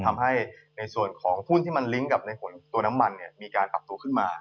ทำให้ในส่วนของหุ้นที่มันลิงก์กับในผลตัวน้ำมันมีการปรับตัวขึ้นมา